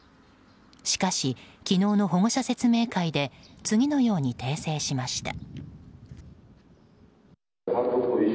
しかし、昨日の保護者説明会で次のように訂正しました。